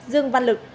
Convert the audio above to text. dương văn lực